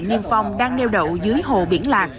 niêm phong đang đeo đậu dưới hồ biển lạc